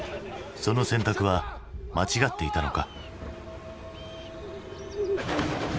その選択は間違っていたのか？